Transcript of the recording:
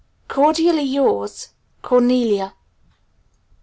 "Cordially yours, "CORNELIA.